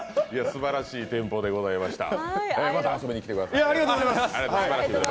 すばらしいテンポでございました。